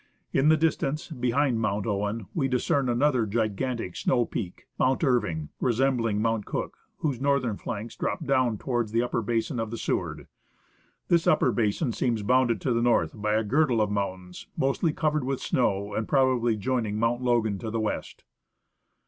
In the distance, behind Mount Owen, we discern another gigantic snow peak, Mount Irving, resembling Mount Cook, whose northern flanks drop down towards the upper basin of the Seward. This upper basin seems bounded to the north by a girdle of mountains mostly covered with snow and, probably, joining Mount Logan to the west.